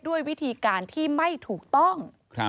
ด้วยวิธีการที่ไม่ถูกต้อง